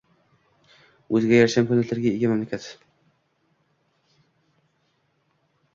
o‘ziga yarasha imkoniyatlarga ega mamlakat.